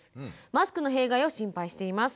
マスクの弊害を心配しています。